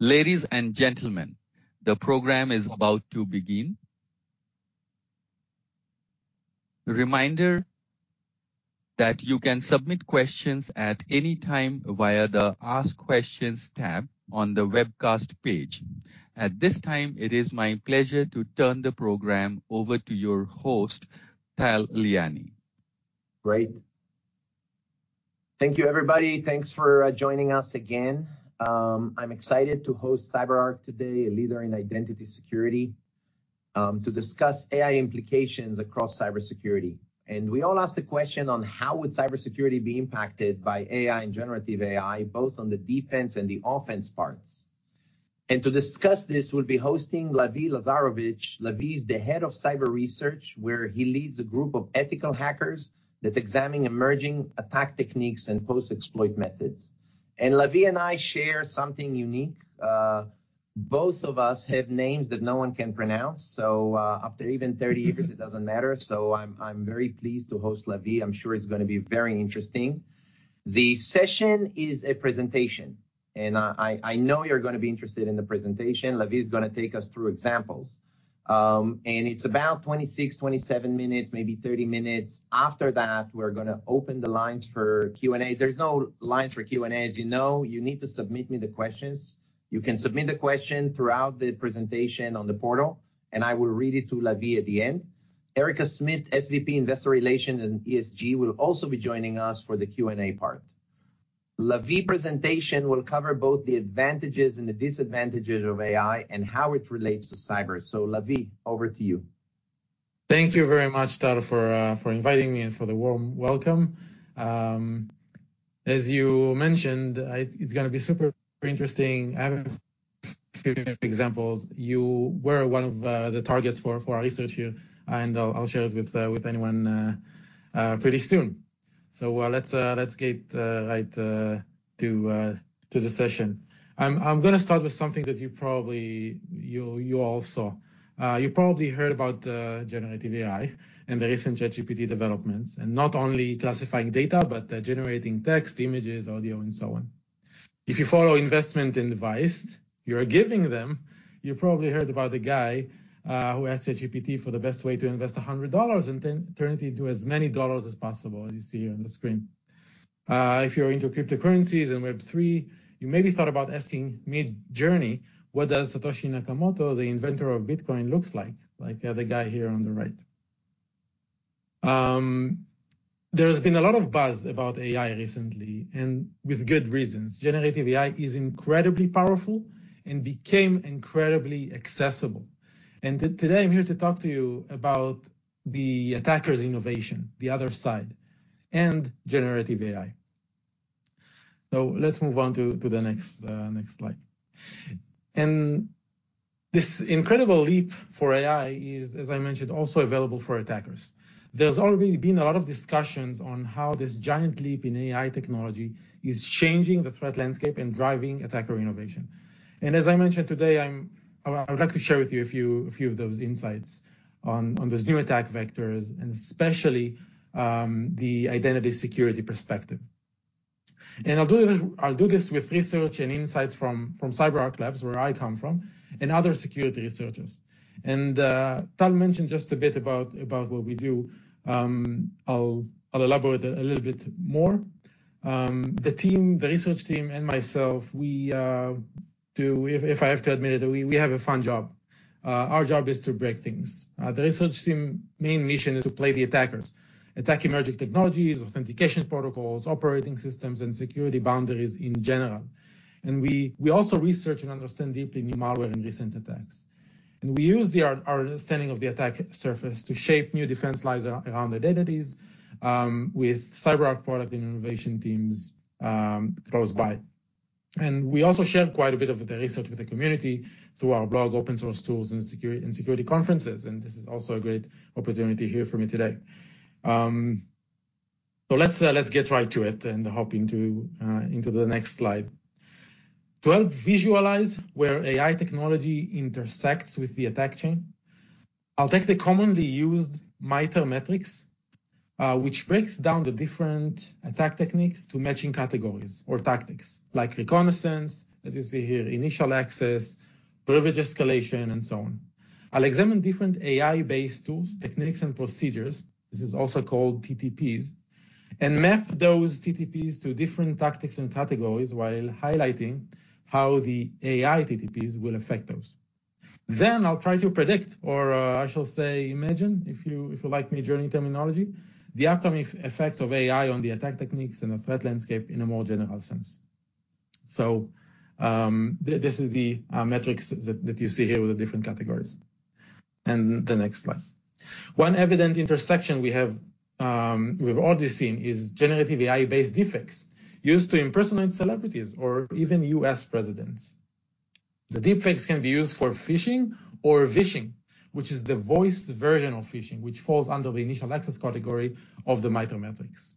Ladies and gentlemen, the program is about to begin. Reminder that you can submit questions at any time via the Ask Questions tab on the webcast page. At this time, it is my pleasure to turn the program over to your host, Tal Liani. Great. Thank you, everybody. Thanks for joining us again. I'm excited to host CyberArk today, a leader in identity security, to discuss AI implications across cybersecurity. We all ask the question: How would cybersecurity be impacted by AI and generative AI, both on the defense and the offense parts? To discuss this, we'll be hosting Lavi Lazarovitz. Lavi is the Head of Cyber Research, where he leads a group of ethical hackers that examine emerging attack techniques and post-exploit methods. Lavi and I share something unique. Both of us have names that no one can pronounce, so after even 30 years, it doesn't matter. I'm very pleased to host Lavi. I'm sure it's gonna be very interesting. The session is a presentation, and I know you're gonna be interested in the presentation. Lavi is gonna take us through examples. It's about 26, 27 minutes, maybe 30 minutes. After that, we're gonna open the lines for Q&A. There's no lines for Q&A, as you know. You need to submit me the questions. You can submit the question throughout the presentation on the portal, and I will read it to Lavi at the end. Erica Smith, SVP, Investor Relations and ESG, will also be joining us for the Q&A part. Lavi's presentation will cover both the advantages and the disadvantages of AI and how it relates to cyber. So, Lavi, over to you. Thank you very much, Tal, for inviting me and for the warm welcome. As you mentioned, it's gonna be super interesting. I have a few examples. You were one of the targets for our research here, and I'll share it with anyone pretty soon. So, let's get right to the session. I'm gonna start with something that you probably all saw. You probably heard about generative AI and the recent ChatGPT developments, and not only classifying data, but generating text, images, audio, and so on. If you follow investment advice, you're giving them, you probably heard about the guy who asked ChatGPT for the best way to invest $100 and then turn it into as many dollars as possible, as you see here on the screen. If you're into cryptocurrencies and Web3, you maybe thought about asking Midjourney, "What does Satoshi Nakamoto, the inventor of Bitcoin, looks like?" Like the guy here on the right. There's been a lot of buzz about AI recently, and with good reasons. Generative AI is incredibly powerful and became incredibly accessible. Today I'm here to talk to you about the attacker's innovation, the other side, and generative AI. Let's move on to the next slide. This incredible leap for AI is, as I mentioned, also available for attackers. There's already been a lot of discussions on how this giant leap in AI technology is changing the threat landscape and driving attacker innovation. As I mentioned today, I'm, I, I would like to share with you a few, a few of those insights on, on those new attack vectors, and especially, the identity security perspective. I'll do it, I'll do this with research and insights from, from CyberArk Labs, where I come from, and other security researchers. Tal mentioned just a bit about, about what we do. I'll, I'll elaborate a little bit more. The team, the research team and myself, we, do... If, if I have to admit it, we, we have a fun job. Our job is to break things. The research team main mission is to play the attackers, attack emerging technologies, authentication protocols, operating systems, and security boundaries in general. We also research and understand deeply new malware and recent attacks. We use our understanding of the attack surface to shape new defense lines around identities, with CyberArk product and innovation teams, close by. We also share quite a bit of the research with the community through our blog, open source tools, and security conferences, and this is also a great opportunity here for me today. So let's get right to it and hop into the next slide. To help visualize where AI technology intersects with the attack chain, I'll take the commonly used MITRE Matrix, which breaks down the different attack techniques to matching categories or tactics, like reconnaissance, as you see here, initial access, privilege escalation, and so on. I'll examine different AI-based tools, techniques, and procedures, this is also called TTPs, and map those TTPs to different tactics and categories while highlighting how the AI TTPs will affect those. Then I'll try to predict, or, I shall say imagine, if you like Midjourney terminology, the upcoming effects of AI on the attack techniques and the threat landscape in a more general sense. So, this is the metrics that you see here with the different categories. And the next slide. One evident intersection we have, we've already seen is generative AI-based deepfakes used to impersonate celebrities or even U.S. presidents. The deepfakes can be used for phishing or vishing, which is the voice version of phishing, which falls under the initial access category of the MITRE matrix.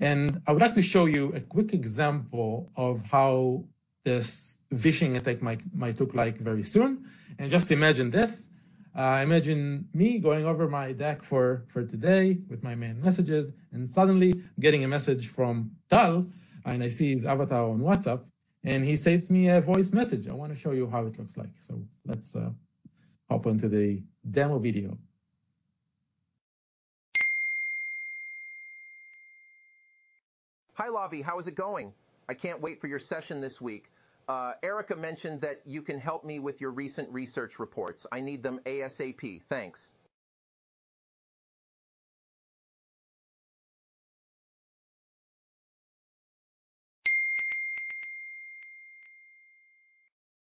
I would like to show you a quick example of how this vishing attack might look like very soon. Just imagine this. I imagine me going over my deck for today with my main messages, and suddenly getting a message from Tal, and I see his avatar on WhatsApp, and he sends me a voice message. I want to show you how it looks like. So let's hop into the demo video. Hi, Lavi. How is it going? I can't wait for your session this week. Erica mentioned that you can help me with your recent research reports. I need them ASAP. Thanks.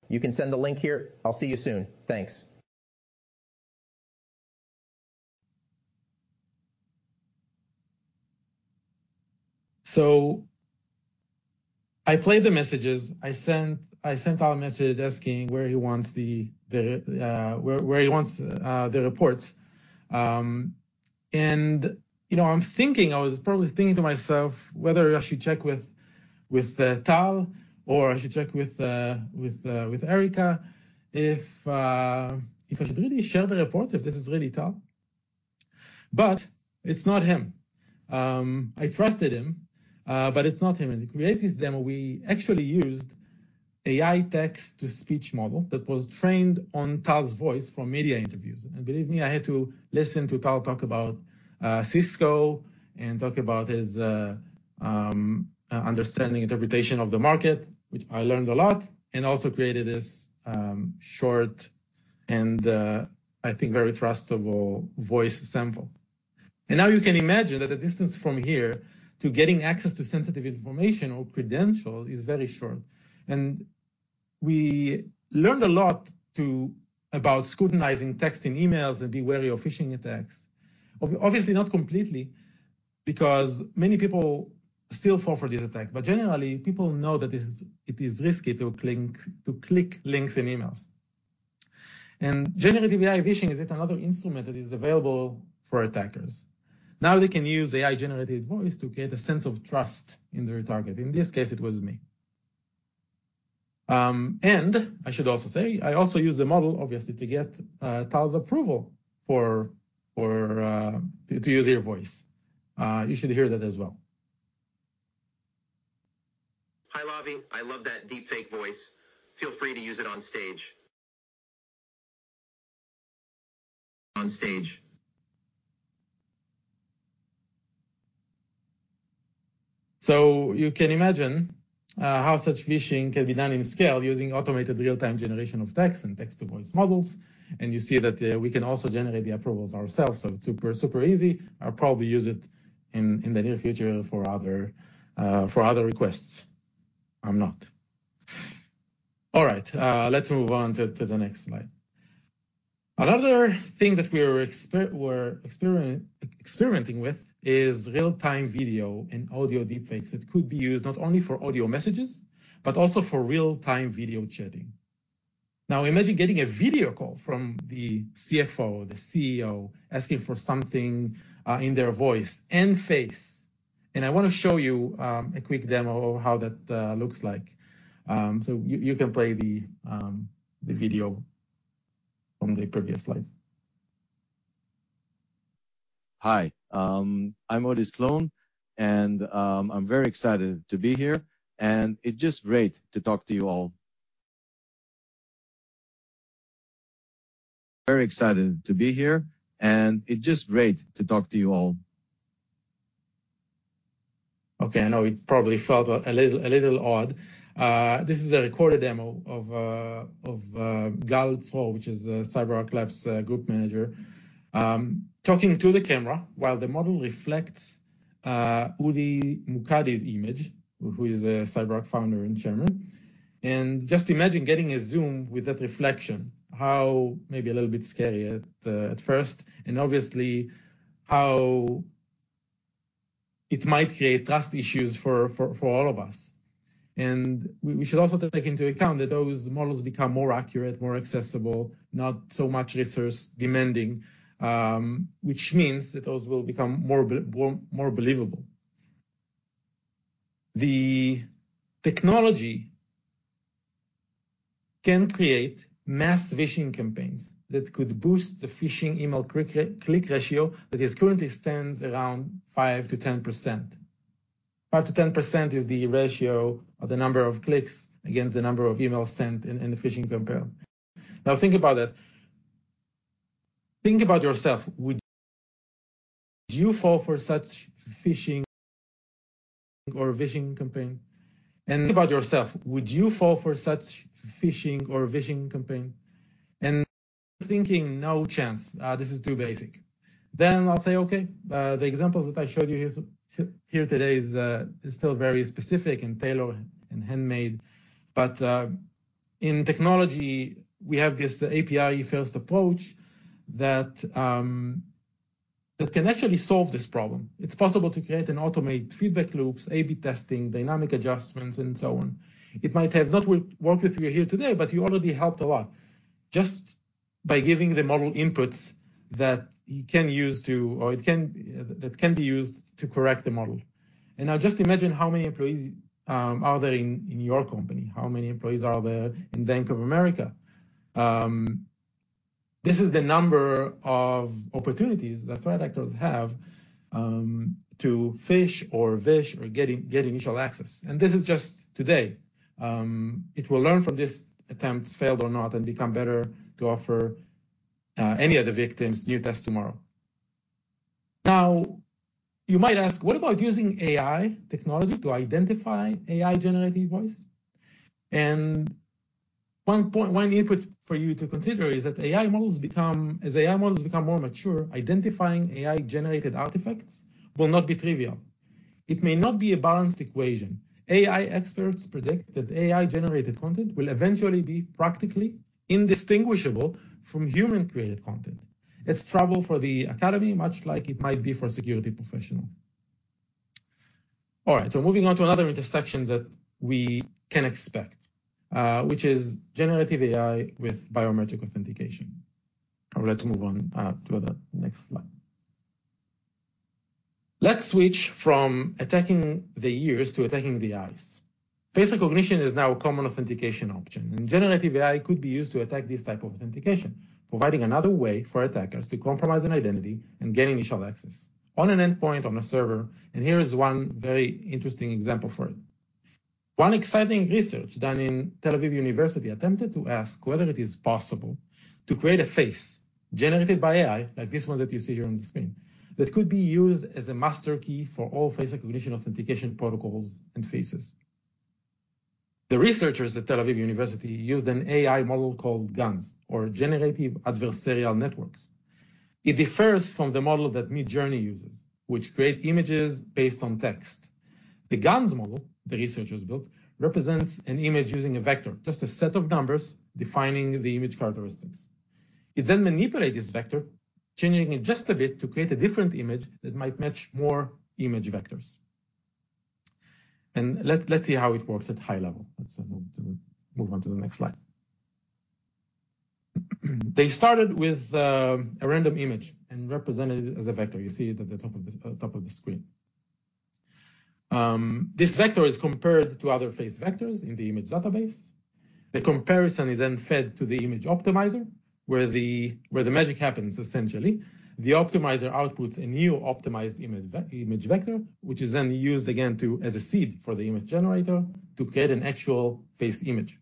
You can send the link here. I'll see you soon. Thanks. So I played the messages. I sent Tal a message asking where he wants the reports. And, you know, I was probably thinking to myself whether I should check with Tal or I should check with Erica, if I should really share the reports, if this is really Tal. But it's not him. I trusted him, but it's not him. And to create this demo, we actually used AI text-to-speech model that was trained on Tal's voice for media interviews. And believe me, I had to listen to Tal talk about Cisco and talk about his understanding interpretation of the market, which I learned a lot, and also created this short and, I think, very trustable voice sample. Now you can imagine that the distance from here to getting access to sensitive information or credentials is very short. We learned a lot about scrutinizing texts and emails and be wary of phishing attacks. Obviously, not completely, because many people still fall for this attack, but generally, people know that it is risky to click links in emails. Generative AI vishing is yet another instrument that is available for attackers. Now, they can use AI-generated voice to create a sense of trust in their target. In this case, it was me. And I should also say, I also used the model, obviously, to get Tal's approval to use his voice. You should hear that as well. Hi, Lavi. I love that deepfake voice. Feel free to use it on stage. On stage. So you can imagine how such vishing can be done in scale using automated real-time generation of text and text-to-speech models, and you see that we can also generate the approvals ourselves, so it's super, super easy. I'll probably use it in the near future for other requests. I'm not. All right, let's move on to the next slide. Another thing that we're experimenting with is real-time video and audio deepfakes. It could be used not only for audio messages, but also for real-time video chatting. Now, imagine getting a video call from the CFO, the CEO, asking for something in their voice and face. And I wanna show you a quick demo of how that looks like. So you can play the video from the previous slide. Hi, I'm Udi's clone, and I'm very excited to be here, and it's just great to talk to you all. Very excited to be here, and it's just great to talk to you all. Okay, I know it probably felt a little, a little odd. This is a recorded demo of Gal Zror, which is a CyberArk Labs Group Manager, talking to the camera while the model reflects Udi Mokady's image, who is a CyberArk founder and chairman. And just imagine getting a Zoom with that reflection, how maybe a little bit scary at first, and obviously, how it might create trust issues for all of us. We should also take into account that those models become more accurate, more accessible, not so much resource demanding, which means that those will become more believable. The technology can create mass vishing campaigns that could boost the phishing email click ratio that currently stands around 5%-10%. 5%-10% is the ratio of the number of clicks against the number of emails sent in a phishing campaign. Now, think about that. Think about yourself, would you fall for such phishing or vishing campaign? Think about yourself, would you fall for such phishing or vishing campaign? And thinking, "No chance, this is too basic." Then I'll say, okay, the examples that I showed you here today is, is still very specific and tailored and handmade, but, in technology, we have this API-first approach that, that can actually solve this problem. It's possible to create and automate feedback loops, A/B testing, dynamic adjustments, and so on. It might have not worked with you here today, but you already helped a lot just by giving the model inputs that can be used to correct the model.... and now just imagine how many employees are there in, in your company? How many employees are there in Bank of America? This is the number of opportunities that threat actors have, to phish or vish or get initial access. This is just today. It will learn from this attempts, failed or not, and become better to offer any other victims new tests tomorrow. Now, you might ask, what about using AI technology to identify AI-generated voice? And one point, one input for you to consider is that AI models become as AI models become more mature, identifying AI-generated artifacts will not be trivial. It may not be a balanced equation. AI experts predict that AI-generated content will eventually be practically indistinguishable from human-created content. It's trouble for the academy, much like it might be for a security professional. All right, so moving on to another intersection that we can expect, which is generative AI with biometric authentication. Now let's move on to the next slide. Let's switch from attacking the ears to attacking the eyes. Face recognition is now a common authentication option, and generative AI could be used to attack this type of authentication, providing another way for attackers to compromise an identity and gain initial access on an endpoint on a server, and here is one very interesting example for it. One exciting research done in Tel Aviv University attempted to ask whether it is possible to create a face generated by AI, like this one that you see here on the screen, that could be used as a master key for all face recognition authentication protocols and faces. The researchers at Tel Aviv University used an AI model called GANs, or Generative Adversarial Networks. It differs from the model that Midjourney uses, which create images based on text. The GANs model, the researchers built, represents an image using a vector, just a set of numbers defining the image characteristics. It then manipulates this vector, changing it just a bit, to create a different image that might match more image vectors. Let's see how it works at high level. Let's move on to the next slide. They started with a random image and represented it as a vector. You see it at the top of the screen. This vector is compared to other face vectors in the image database. The comparison is then fed to the image optimizer, where the magic happens, essentially. The optimizer outputs a new optimized image vector, which is then used again as a seed for the image generator to create an actual face image.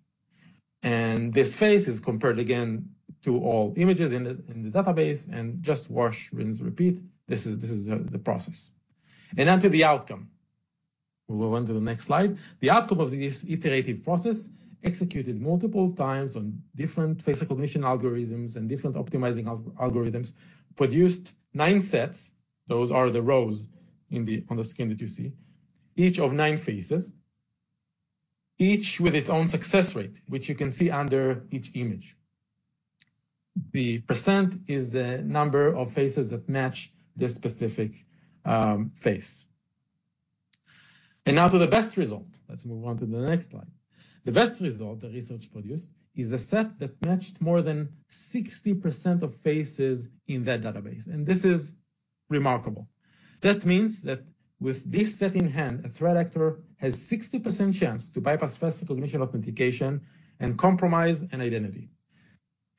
And this face is compared again to all images in the database, and just wash, rinse, repeat. This is the process. Now to the outcome. We'll move on to the next slide. The outcome of this iterative process, executed multiple times on different face recognition algorithms and different optimizing algorithms, produced 9 sets, those are the rows in the on the screen that you see, each of nine faces, each with its own success rate, which you can see under each image. The percent is the number of faces that match this specific face. Now to the best result. Let's move on to the next slide. The best result the research produced is a set that matched more than 60% of faces in that database, and this is remarkable. That means that with this set in hand, a threat actor has 60% chance to bypass face recognition authentication and compromise an identity.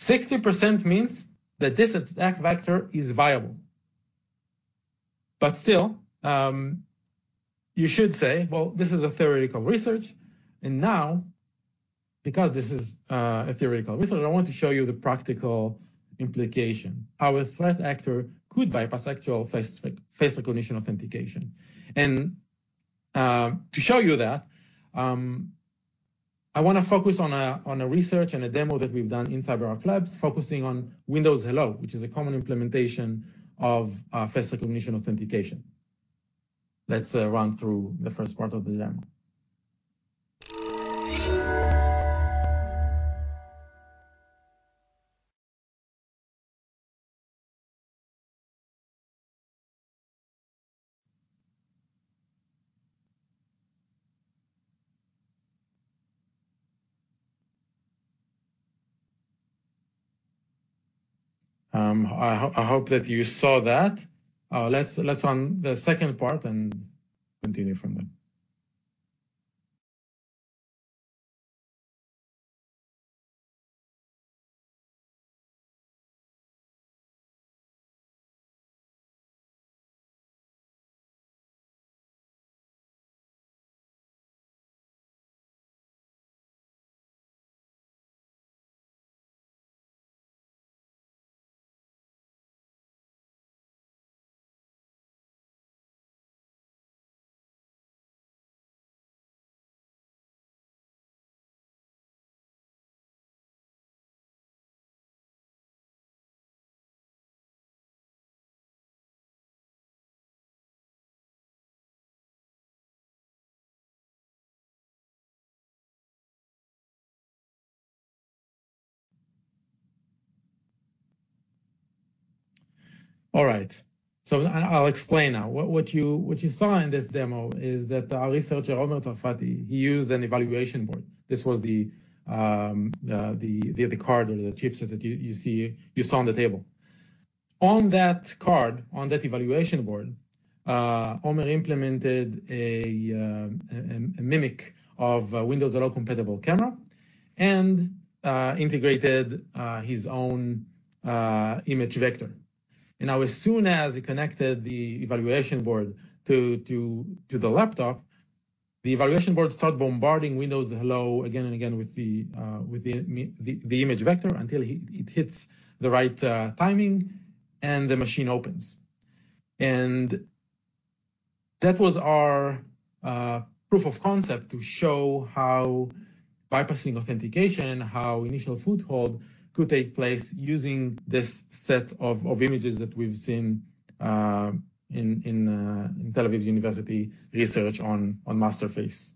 60% means that this attack vector is viable. But still, you should say, "Well, this is a theoretical research." Now, because this is a theoretical research, I want to show you the practical implication, how a threat actor could bypass actual face recognition authentication. To show you that, I wanna focus on a research and a demo that we've done inside of our labs, focusing on Windows Hello, which is a common implementation of face recognition authentication. Let's run through the first part of the demo. I hope that you saw that. Let's run the second part and continue from there. All right. So I'll explain now. What you saw in this demo is that our researcher, Omer Tsarfati, he used an evaluation board. This was the card or the chipset that you saw on the table. On that card, on that evaluation board, Omer implemented a mimic of a Windows Hello compatible camera and integrated his own image vector. And now, as soon as he connected the evaluation board to the laptop, the evaluation board start bombarding Windows Hello again and again with the image vector until it hits the right timing and the machine opens. And that was our proof of concept to show how bypassing authentication, how initial foothold could take place using this set of images that we've seen in Tel Aviv University research on MasterFace.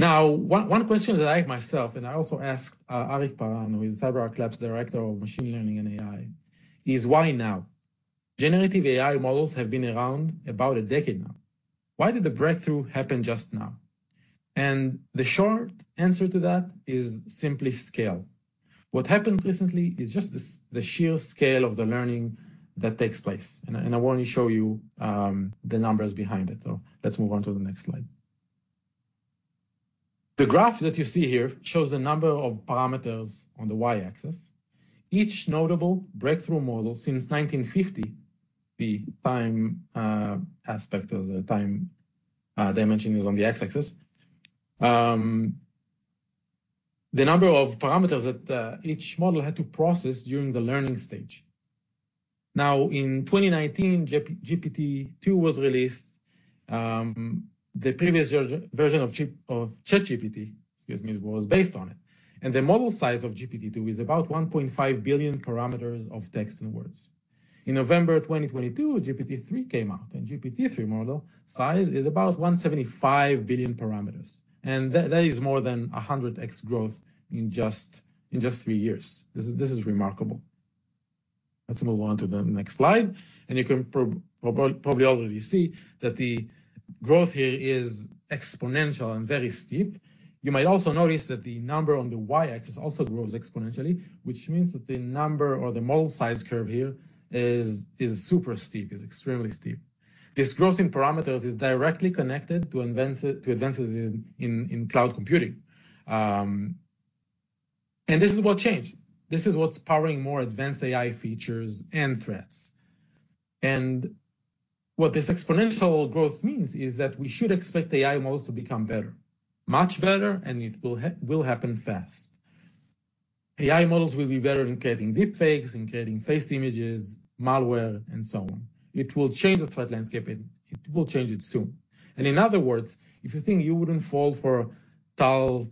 Now, one question that I ask myself, and I also asked Arik Paran, who is CyberArk Labs Director of Machine Learning and AI, is why now? Generative AI models have been around about a decade now. Why did the breakthrough happen just now? The short answer to that is simply scale. What happened recently is just the sheer scale of the learning that takes place, and I want to show you the numbers behind it. So let's move on to the next slide. The graph that you see here shows the number of parameters on the Y-axis. Each notable breakthrough model since 1950, the time aspect of the time dimension is on the X-axis. The number of parameters that each model had to process during the learning stage. Now, in 2019, GPT-2 was released, the previous version of ChatGPT, excuse me, was based on it, and the model size of GPT-2 is about 1.5 billion parameters of text and words. In November 2022, GPT-3 came out, and GPT-3 model size is about 175 billion parameters, and that, that is more than 100x growth in just, in just 3 years. This is, this is remarkable. Let's move on to the next slide, and you can probably already see that the growth here is exponential and very steep. You might also notice that the number on the Y-axis also grows exponentially, which means that the number or the model size curve here is, is super steep, is extremely steep. This growth in parameters is directly connected to advances in cloud computing. This is what changed. This is what's powering more advanced AI features and threats. And what this exponential growth means is that we should expect AI models to become better, much better, and it will happen fast. AI models will be better in creating deepfakes, in creating face images, malware, and so on. It will change the threat landscape, and it will change it soon. And in other words, if you think you wouldn't fall for Tal's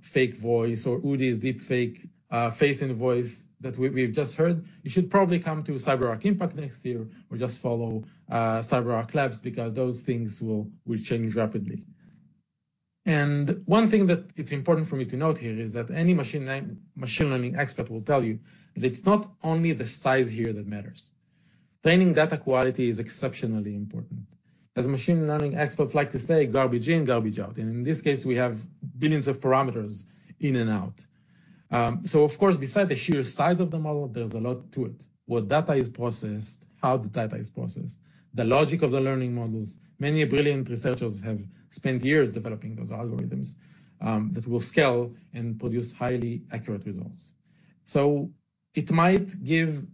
fake voice or Udi's deepfake face and voice that we've just heard, you should probably come to CyberArk Impact next year or just follow CyberArk Labs, because those things will change rapidly. And one thing that it's important for me to note here is that any machine learning expert will tell you that it's not only the size here that matters. Training data quality is exceptionally important. As machine learning experts like to say, "Garbage in, garbage out," and in this case, we have billions of parameters in and out. So of course, besides the sheer size of the model, there's a lot to it. What data is processed, how the data is processed, the logic of the learning models. Many brilliant researchers have spent years developing those algorithms that will scale and produce highly accurate results. So it might give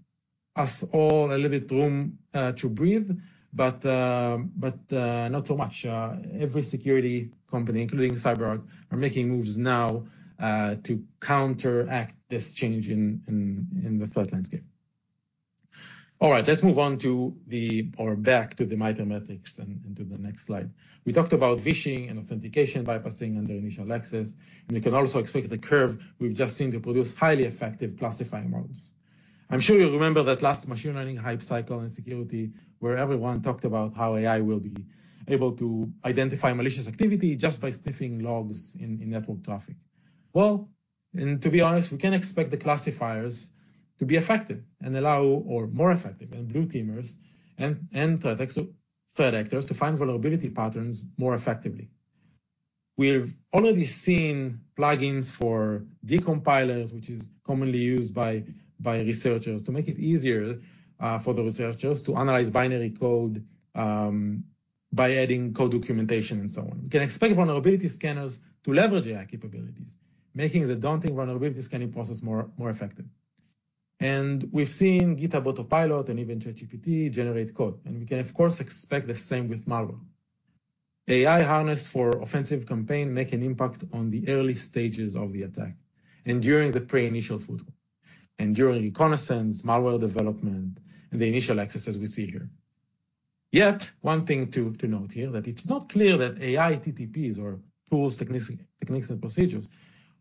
us all a little bit room to breathe, but not so much. Every security company, including CyberArk, are making moves now to counteract this change in the threat landscape. All right, let's move on to the... or back to the MITRE ATT&CK and to the next slide. We talked about vishing and authentication bypassing and the initial access, and we can also expect the curve we've just seen to produce highly effective classifying models. I'm sure you remember that last machine learning hype cycle in security, where everyone talked about how AI will be able to identify malicious activity just by sniffing logs in network traffic. Well, and to be honest, we can expect the classifiers to be effective and allow or more effective than blue teamers and threat actors to find vulnerability patterns more effectively. We've already seen plugins for decompilers, which is commonly used by researchers to make it easier for the researchers to analyze binary code by adding code documentation and so on. We can expect vulnerability scanners to leverage AI capabilities, making the daunting vulnerability scanning process more effective. We've seen GitHub Copilot and even ChatGPT generate code, and we can, of course, expect the same with malware. AI harnessed for offensive campaign make an impact on the early stages of the attack and during the pre-initial foothold, and during reconnaissance, malware development, and the initial access, as we see here. Yet, one thing to note here, that it's not clear that AI TTPs or tools, techniques and procedures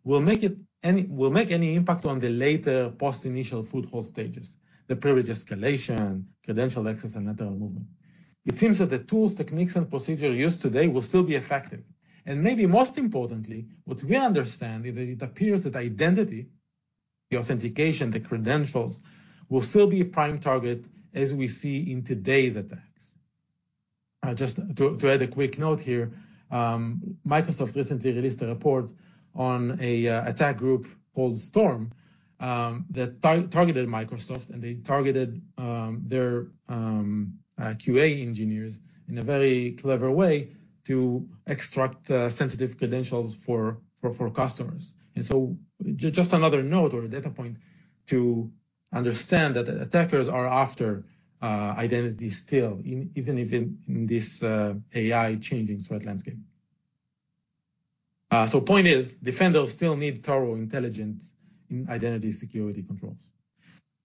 will make any impact on the later post-initial foothold stages, the privilege escalation, credential access, and lateral movement. It seems that the tools, techniques, and procedure used today will still be effective. Maybe most importantly, what we understand is that it appears that identity, the authentication, the credentials, will still be a prime target, as we see in today's attack... Just to add a quick note here, Microsoft recently released a report on an attack group called Storm that targeted Microsoft, and they targeted their QA engineers in a very clever way to extract sensitive credentials for customers. So just another note or a data point to understand that attackers are after identity still, even in this AI changing threat landscape. So point is, defenders still need thorough intelligence in identity security controls.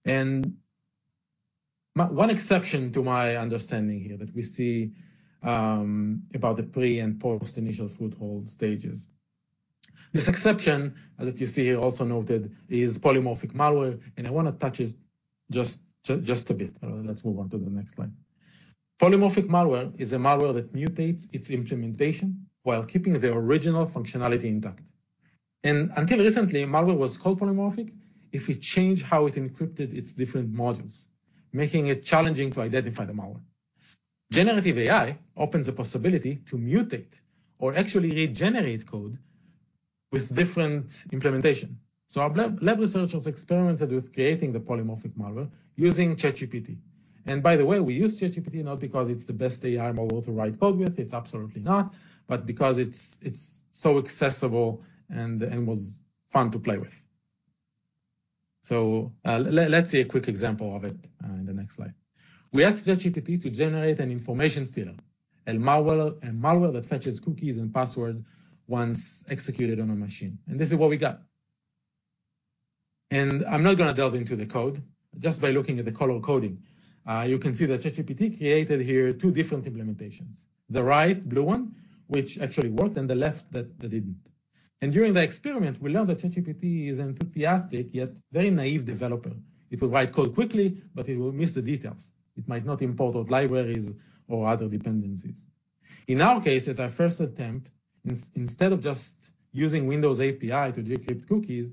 And one exception to my understanding here that we see about the pre- and post-initial foothold stages. This exception that you see here also noted is polymorphic malware, and I want to touch it just a bit. Let's move on to the next slide. Polymorphic malware is a malware that mutates its implementation while keeping the original functionality intact. Until recently, malware was called polymorphic if it changed how it encrypted its different modules, making it challenging to identify the malware. Generative AI opens the possibility to mutate or actually regenerate code with different implementation. Our lab researchers experimented with creating the polymorphic malware using ChatGPT. By the way, we use ChatGPT not because it's the best AI model to write code with, it's absolutely not, but because it's so accessible and was fun to play with. Let's see a quick example of it in the next slide. We asked ChatGPT to generate an information stealer, a malware, a malware that fetches cookies and password once executed on a machine, and this is what we got. I'm not going to delve into the code. Just by looking at the color coding, you can see that ChatGPT created here two different implementations: the right blue one, which actually worked, and the left, that didn't. During the experiment, we learned that ChatGPT is enthusiastic, yet very naive developer. It will write code quickly, but it will miss the details. It might not import libraries or other dependencies. In our case, at our first attempt, instead of just using Windows API to decrypt cookies,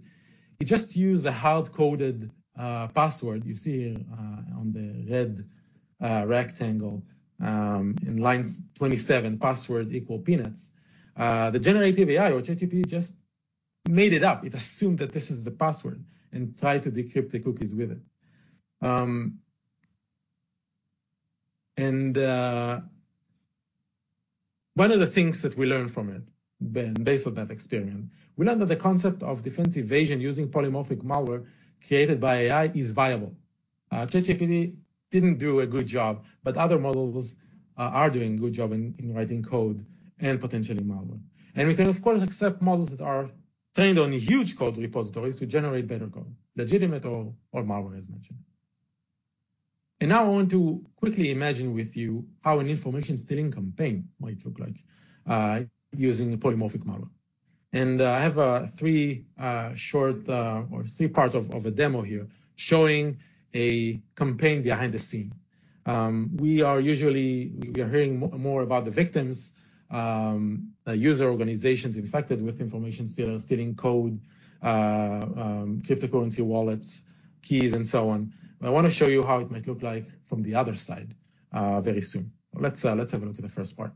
it just used a hard-coded password you see on the red rectangle in line 27, password equal peanuts. The generative AI or ChatGPT just made it up. It assumed that this is the password and tried to decrypt the cookies with it. And, one of the things that we learned from it, based on that experiment, we learned that the concept of defense evasion using polymorphic malware created by AI is viable. ChatGPT didn't do a good job, but other models are doing a good job in writing code and potentially malware. And we can, of course, accept models that are trained on huge code repositories to generate better code, legitimate or malware, as mentioned. And now I want to quickly imagine with you how an information stealing campaign might look like, using a polymorphic malware. And, I have three short or three-part demo here showing a campaign behind the scene. We are usually... We are hearing more about the victims, user organizations infected with information stealers, stealing code, cryptocurrency wallets, keys, and so on. I want to show you how it might look like from the other side, very soon. Let's have a look at the first part.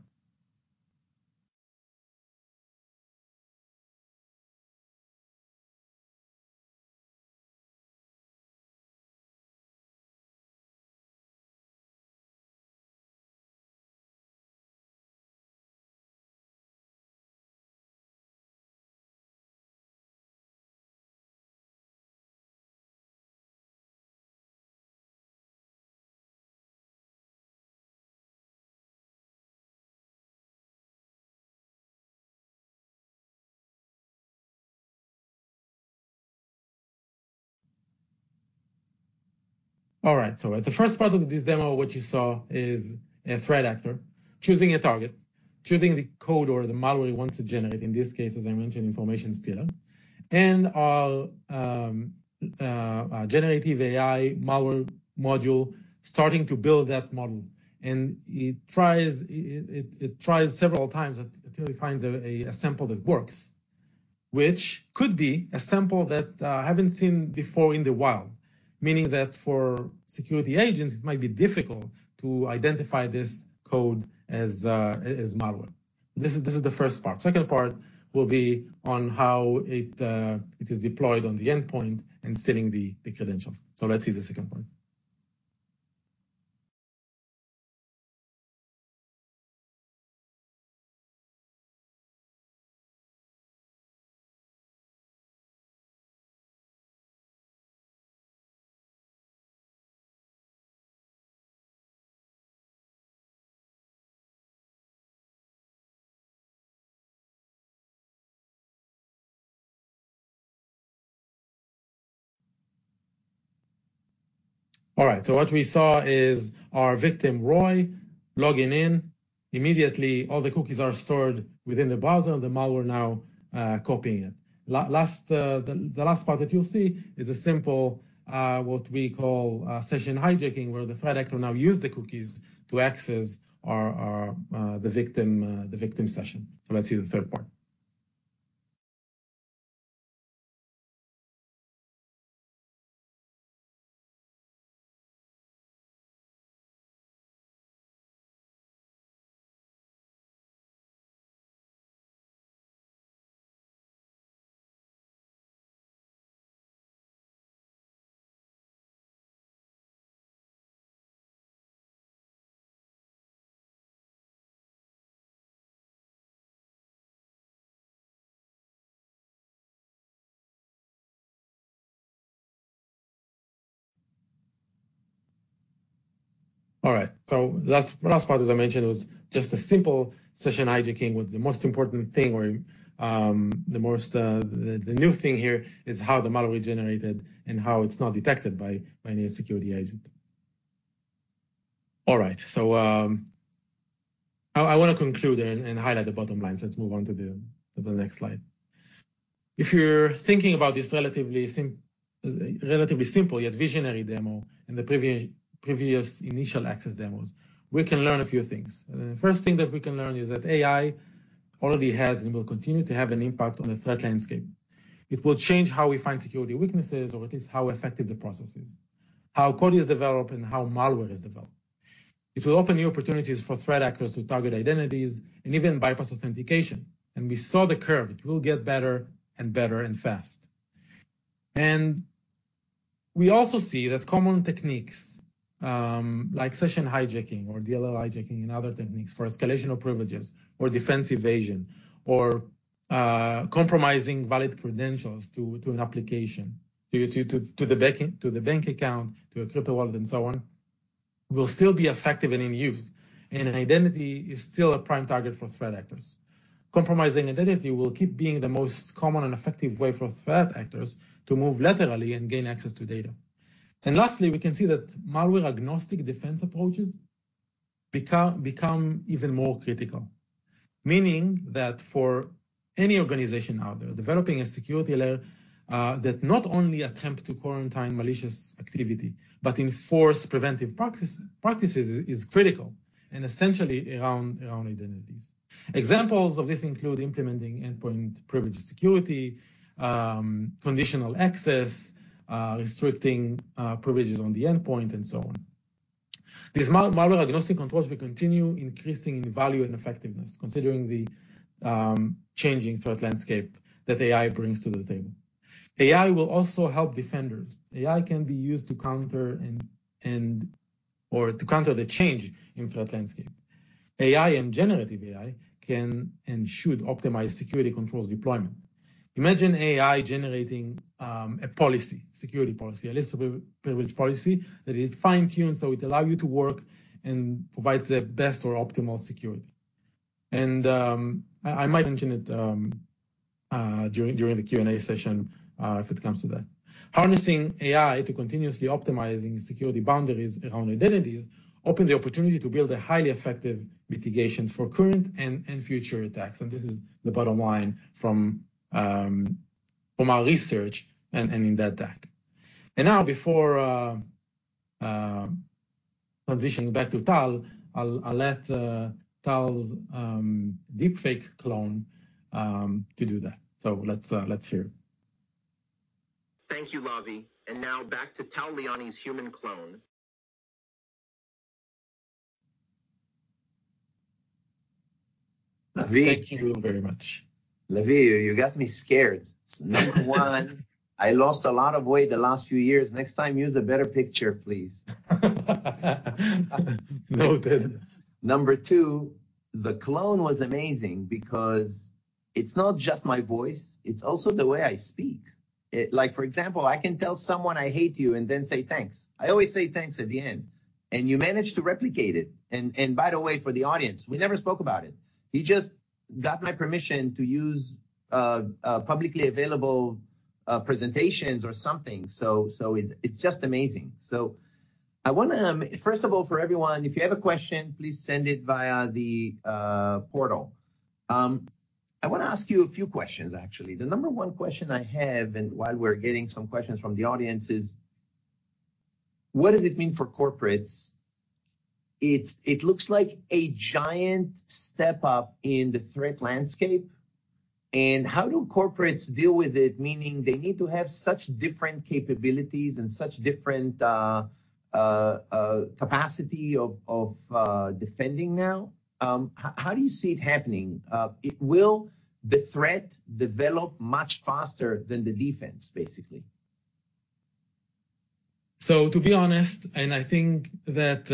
All right, so at the first part of this demo, what you saw is a threat actor choosing a target, choosing the code or the malware he wants to generate. In this case, as I mentioned, information stealer, and a generative AI malware module starting to build that model. And it tries several times until it finds a sample that works, which could be a sample that I haven't seen before in the wild. Meaning that for security agents, it might be difficult to identify this code as malware. This is, this is the first part. Second part will be on how it is deployed on the endpoint and stealing the credentials. So let's see the second one. All right, so what we saw is our victim, Roy, logging in. Immediately, all the cookies are stored within the browser, and the malware now copying it. Last, the last part that you'll see is a simple what we call session hijacking, where the threat actor now use the cookies to access the victim's session. So let's see the third part.... All right. So the last part, as I mentioned, was just a simple session hijacking, with the most important thing or the most, the new thing here is how the malware generated and how it's not detected by any security agent. All right, so I wanna conclude and highlight the bottom line. Let's move on to the next slide. If you're thinking about this relatively simple yet visionary demo and the previous initial access demos, we can learn a few things. The first thing that we can learn is that AI already has, and will continue to have, an impact on the threat landscape. It will change how we find security weaknesses, or at least how effective the process is, how code is developed, and how malware is developed. It will open new opportunities for threat actors to target identities and even bypass authentication. We saw the curve, it will get better and better, and fast. We also see that common techniques, like session hijacking or DLL hijacking, and other techniques for escalation of privileges, or defense evasion, or compromising valid credentials to the bank, to the bank account, to a crypto wallet, and so on, will still be effective and in use. Identity is still a prime target for threat actors. Compromising identity will keep being the most common and effective way for threat actors to move laterally and gain access to data. Lastly, we can see that malware-agnostic defense approaches become even more critical. Meaning that for any organization out there, developing a security layer that not only attempt to quarantine malicious activity, but enforce preventive practices, is critical and essentially around identities. Examples of this include implementing endpoint privilege security, conditional access, restricting privileges on the endpoint, and so on. These malware agnostic controls will continue increasing in value and effectiveness, considering the changing threat landscape that AI brings to the table. AI will also help defenders. AI can be used to counter and or to counter the change in threat landscape. AI and generative AI can and should optimize security controls deployment. Imagine AI generating a policy, security policy, a list of privilege policy that it fine-tunes, so it allow you to work and provides the best or optimal security. I might mention it during the Q&A session, if it comes to that. Harnessing AI to continuously optimizing security boundaries around identities open the opportunity to build a highly effective mitigations for current and future attacks, and this is the bottom line from our research and in that attack. Now, before transitioning back to Tal, I'll let Tal's deepfake clone to do that. So let's hear it. Thank you, Lavi, and now back to Tal Liani's human clone. Lavi- Thank you very much. Lavi, you got me scared. Number one, I lost a lot of weight the last few years. Next time, use a better picture, please. Noted. Number 2, the clone was amazing because it's not just my voice, it's also the way I speak. It—like, for example, I can tell someone I hate you and then say thanks. I always say thanks at the end, and you managed to replicate it. And by the way, for the audience, we never spoke about it. He just got my permission to use publicly available presentations or something. So it's just amazing. So I wanna... First of all, for everyone, if you have a question, please send it via the portal. I wanna ask you a few questions, actually. The number 1 question I have, and while we're getting some questions from the audience, is: What does it mean for corporates? It looks like a giant step up in the threat landscape, and how do corporates deal with it? Meaning they need to have such different capabilities and such different capacity of defending now. How do you see it happening? Will the threat develop much faster than the defense, basically? So, to be honest, and I think that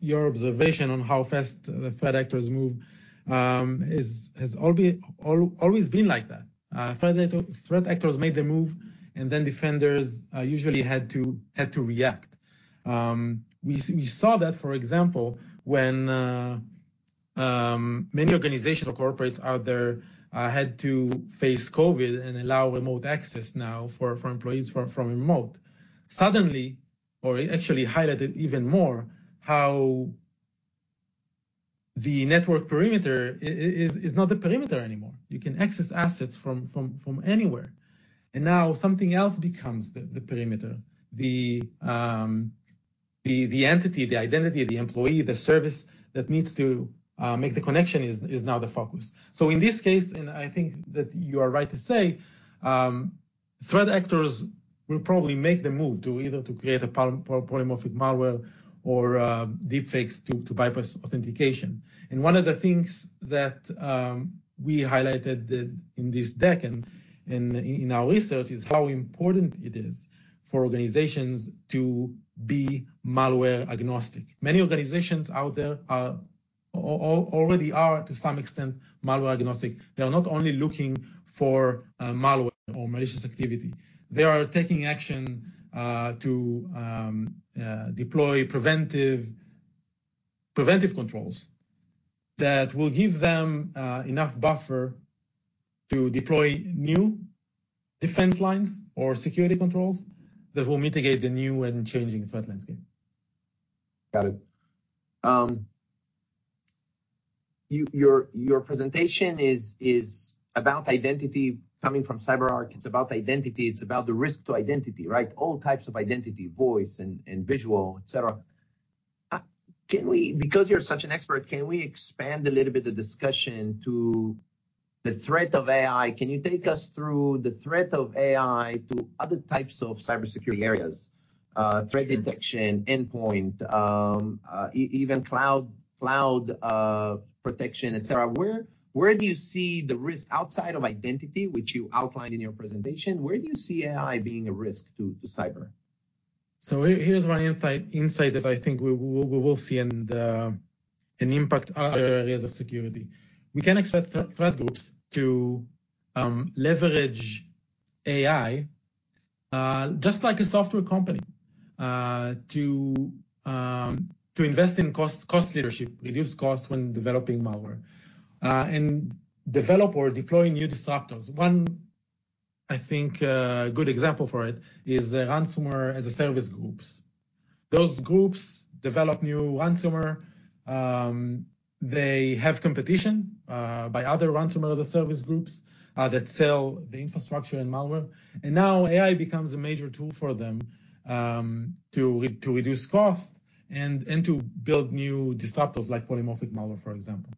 your observation on how fast the threat actors move has always been like that. Threat actors made their move, and then defenders usually had to react. We saw that, for example, when many organizational corporates out there had to face COVID and allow remote access now for employees from remote. Suddenly, or it actually highlighted even more, how the network perimeter is not a perimeter anymore. You can access assets from anywhere, and now something else becomes the perimeter. The entity, the identity, the employee, the service that needs to make the connection is now the focus. So in this case, and I think that you are right to say, threat actors will probably make the move to either create a polymorphic malware or deepfakes to bypass authentication. And one of the things that we highlighted in this deck and in our research is how important it is for organizations to be malware agnostic. Many organizations out there are already, to some extent, malware agnostic. They are not only looking for malware or malicious activity, they are taking action to deploy preventive controls that will give them enough buffer to deploy new defense lines or security controls that will mitigate the new and changing threat landscape. Got it. Your presentation is about identity coming from CyberArk. It's about identity, it's about the risk to identity, right? All types of identity, voice, and visual, etcetera. Can we, because you're such an expert, expand a little bit the discussion to the threat of AI? Can you take us through the threat of AI to other types of cybersecurity areas, threat detection, endpoint, even cloud protection, etcetera. Where do you see the risk outside of identity, which you outlined in your presentation? Where do you see AI being a risk to cyber? So here's one insight that I think we will see and impact other areas of security. We can expect threat groups to leverage AI just like a software company to invest in cost leadership, reduce cost when developing malware, and develop or deploy new disruptors. One, I think, good example for it is the ransomware-as-a-service groups. Those groups develop new ransomware. They have competition by other ransomware-as-a-service groups that sell the infrastructure and malware, and now AI becomes a major tool for them to reduce cost and to build new disruptors, like polymorphic malware, for example.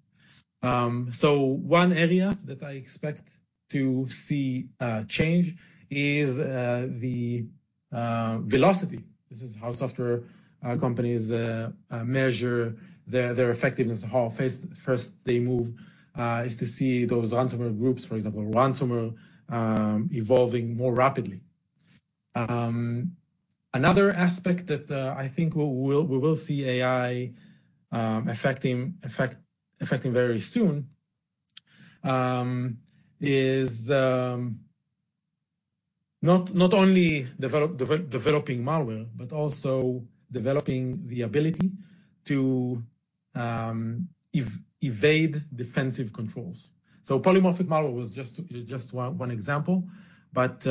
So one area that I expect to see change is the velocity. This is how software companies measure their effectiveness, how fast first they move is to see those ransomware groups, for example, ransomware, evolving more rapidly. Another aspect that I think we'll, we will see AI affecting very soon is not only developing malware, but also developing the ability to evade defensive controls. So polymorphic malware was just one example, but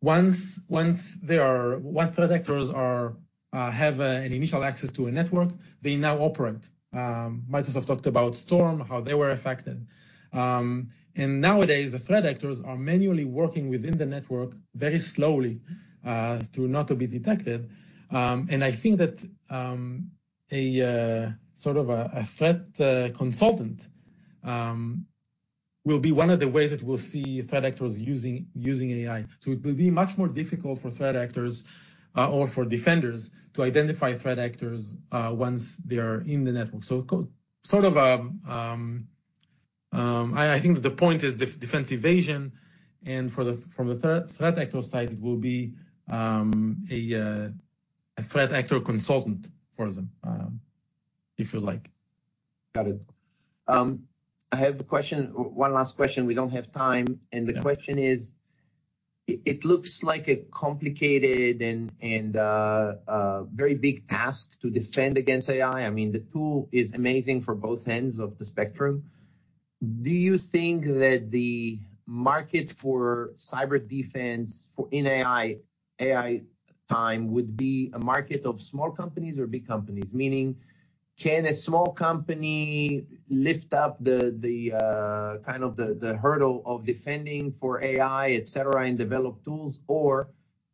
once threat actors have an initial access to a network, they now operate. Microsoft talked about Storm, how they were affected. And nowadays, the threat actors are manually working within the network very slowly to not be detected. And I think that, sort of a threat consultant, will be one of the ways that we'll see threat actors using AI. So it will be much more difficult for threat actors or for defenders to identify threat actors once they are in the network. So sort of, I think the point is defense evasion, and from the threat actor side, it will be a threat actor consultant for them, if you like. Got it. I have a question, one last question, we don't have time. Yeah. The question is, it looks like a complicated and very big task to defend against AI. I mean, the tool is amazing for both ends of the spectrum. Do you think that the market for cyber defense for in AI, AI time, would be a market of small companies or big companies? Meaning, can a small company lift up the kind of the hurdle of defending for AI, etc., and develop tools? Or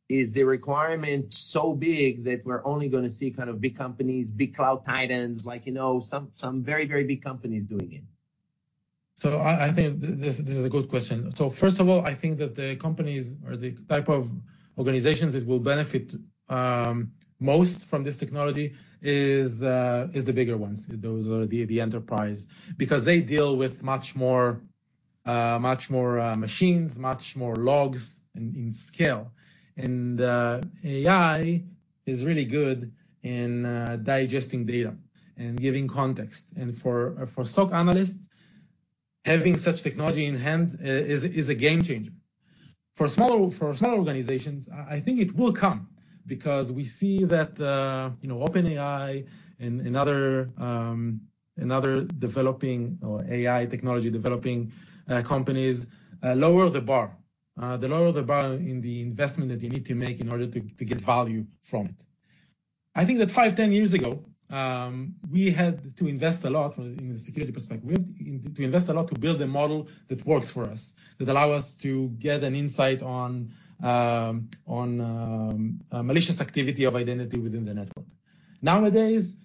is the requirement so big that we're only gonna see kind of big companies, big cloud titans, like, you know, some very, very big companies doing it? So I think this is a good question. So first of all, I think that the companies or the type of organizations that will benefit most from this technology is the bigger ones, those are the enterprise. Because they deal with much more machines, much more logs in scale. And AI is really good in digesting data and giving context. And for SOC analysts, having such technology in hand is a game changer. For small organizations, I think it will come because we see that, you know, OpenAI and other developing or AI technology-developing companies lower the bar. They lower the bar in the investment that you need to make in order to get value from it. I think that 5, 10 years ago, we had to invest a lot in the security perspective. We had to invest a lot to build a model that works for us, that allow us to get an insight on, on, malicious activity of identity within the network. Nowadays,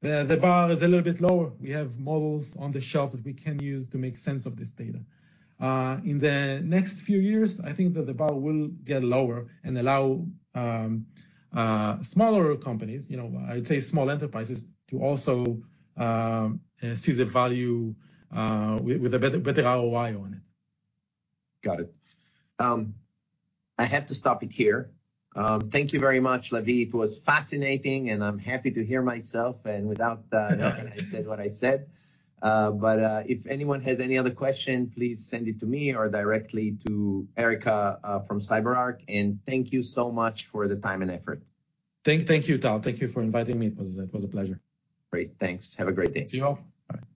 the bar is a little bit lower. We have models on the shelf that we can use to make sense of this data. In the next few years, I think that the bar will get lower and allow, smaller companies, you know, I'd say small enterprises, to also, see the value, with, with a better, better ROI on it. Got it. I have to stop it here. Thank you very much, Lavi. It was fascinating, and I'm happy to hear myself, and without knowing I said what I said. But, if anyone has any other question, please send it to me or directly to Erica, from CyberArk, and thank you so much for the time and effort. Thank you, Tal. Thank you for inviting me. It was a pleasure. Great. Thanks. Have a great day. See you all. Bye.